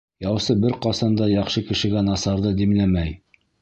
Яусы бер ҡасан да яҡшы кешегә насарҙы димләмәй.